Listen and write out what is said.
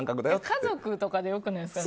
家族とかでよくないですか。